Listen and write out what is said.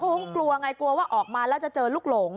เขาก็กลัวไงกลัวว่าออกมาแล้วจะเจอลูกหลง